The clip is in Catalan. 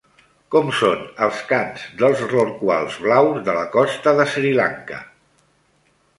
Com són els cants dels rorquals blaus de la costa de Sri Lanka?